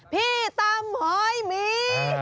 พี่ตำหอยหมี